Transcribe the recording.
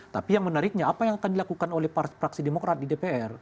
tapi yang menariknya apa yang akan dilakukan oleh praksi demokrat di dpr